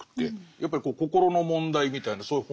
やっぱり心の問題みたいなそういう本なんですか？